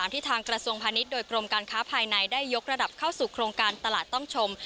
ที่ทางกระทรวงพาณิชย์โดยกรมการค้าภายในได้ยกระดับเข้าสู่โครงการตลาดต้องชม